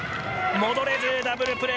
戻れず、ダブルプレー。